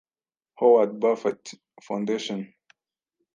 Howard Buffet Foundation